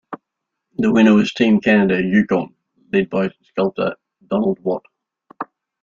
The winner was Team Canada - Yukon, led by sculptor Donald Watt.